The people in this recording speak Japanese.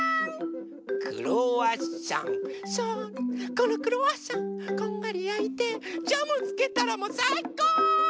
このクロワッサンこんがりやいてジャムつけたらもうさいこう！